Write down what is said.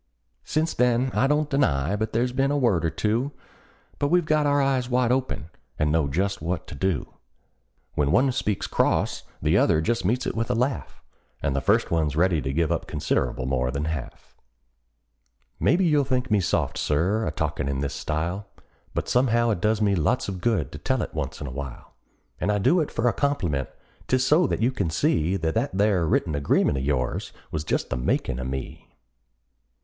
Since then I don't deny but there's been a word or two; But we've got our eyes wide open, and know just what to do: When one speaks cross the other just meets it with a laugh, And the first one's ready to give up considerable more than half. Maybe you'll think me soft, Sir, a talkin' in this style, But somehow it does me lots of good to tell it once in a while; And I do it for a compliment 'tis so that you can see That that there written agreement of yours was just the makin' of me.